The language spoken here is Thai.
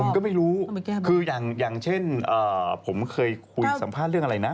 ผมก็ไม่รู้คืออย่างเช่นผมเคยคุยสัมภาษณ์เรื่องอะไรนะ